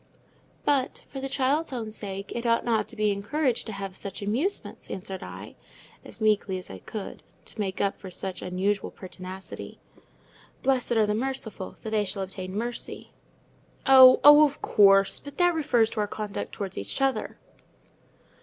"But, for the child's own sake, it ought not to be encouraged to have such amusements," answered I, as meekly as I could, to make up for such unusual pertinacity. "'Blessed are the merciful, for they shall obtain mercy.'" "Oh! of course; but that refers to our conduct towards each other."